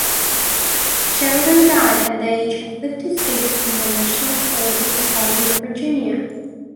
Sheridan died at the age of fifty-six in the National Soldiers' Home in Virginia.